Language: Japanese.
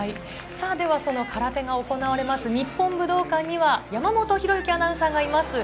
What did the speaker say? その空手が行われる日本武道館には山本紘之アナウンサーがいます。